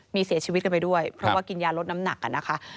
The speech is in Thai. มีเสียชีวิตกันไปด้วยเพราะว่ากินยาลดน้ำหนักนะคะ